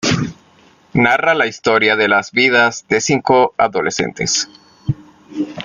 Narra la historia de las vidas de cinco adolescentes.